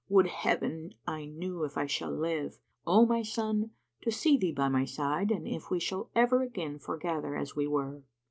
Would Heaven I knew[FN#79] if I shall live, O my son, to see thee by my side and if we shall ever again foregather as we were."